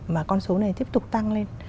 mà con số này tiếp tục tăng lên